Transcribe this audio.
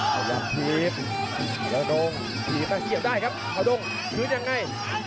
พยายามทีบข่าวโดงทีบมาเกี่ยวได้ครับข่าวโดงชื้นยังไง